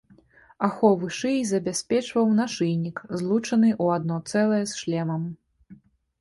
Ахову шыі забяспечваў нашыйнік, злучаны ў адно цэлае з шлемам.